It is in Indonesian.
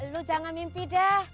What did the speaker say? lo jangan mimpi deh